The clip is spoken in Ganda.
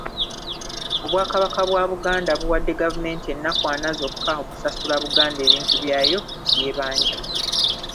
Obwakabaka bwa Buganda buwadde gavumenti ennaku ana zokka okusasula Buganda ebintu byayo by'ebanja.